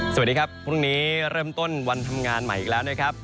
สวัสดีครับพรุ่งนี้เริ่มต้นวันทำงานใหม่อีกแล้วนะครับ